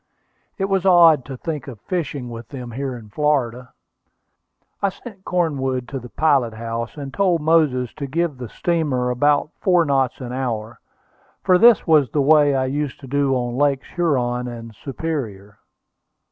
It was odd to think of fishing with them here in Florida. I sent Cornwood to the pilot house, and told Moses to give the steamer about four knots an hour, for this was the way I used to do on Lakes Huron and Superior.